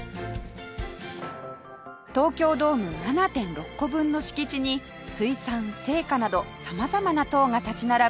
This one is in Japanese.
東京ドーム ７．６ 個分の敷地に水産青果など様々な棟が立ち並ぶ